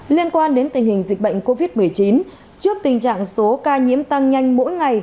liên quan đến tình hình dịch bệnh covid một mươi chín trước tình trạng số ca nhiễm tăng nhanh mỗi ngày